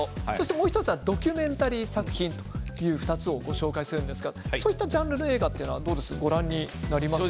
もう１つはドキュメンタリー作品の２つをご紹介するんですが、そういったジャンルの映画はご覧になりますか？